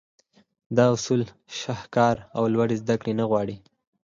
دا اصول شهکار او لوړې زدهکړې نه غواړي.